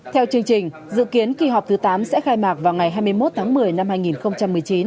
theo chương trình dự kiến kỳ họp thứ tám sẽ khai mạc vào ngày hai mươi một tháng một mươi năm hai nghìn một mươi chín